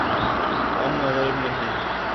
ہم مغرب نہیں۔